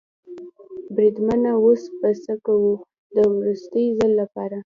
بریدمنه اوس به څه کوو؟ د وروستي ځل لپاره.